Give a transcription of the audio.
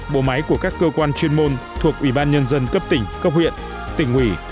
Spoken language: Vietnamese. bộ máy của các cơ quan chuyên môn thuộc ủy ban nhân dân cấp tỉnh cấp huyện tỉnh ủy